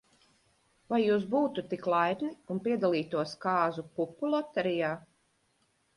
Vai jūs būtu tik laipni, un piedalītos kāzu pupu loterijā?